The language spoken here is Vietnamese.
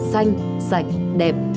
xanh sạch đẹp